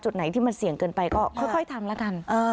จุดไหนที่มันเสี่ยงเกินไปก็ค่อยค่อยทำละกันเอ่อ